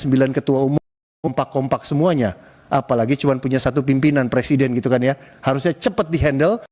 bulan maret dan september